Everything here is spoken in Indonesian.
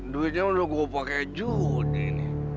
duitnya udah gua pakai jodoh ini